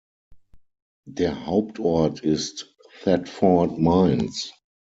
Der Hauptort ist Thetford Mines.